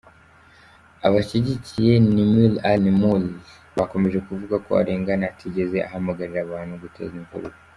Abashyigikiye Nimr al-Nimr bakomeje kuvuga ko arengana atigeze ahamagarira abantu guteza imvururu.